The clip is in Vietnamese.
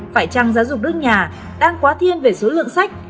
phải chăng giáo dục nước nhà đang quá thiên về số lượng sách